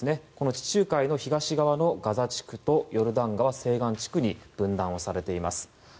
地中海の東側のガザ地区とヨルダン川西岸地区に分断されています。